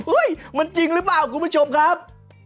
มันจริงหรือเปล่าคุณผู้ชมครับ